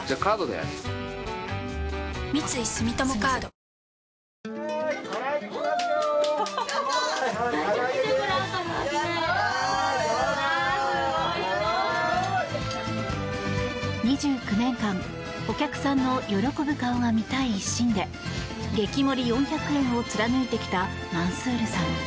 クリニカアドバンテージ２９年間、お客さんの喜ぶ顔が見たい一心で激盛り４００円を貫いてきたマンスールさん。